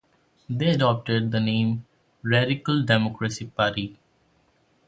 They adopted the name Radical Democracy Party.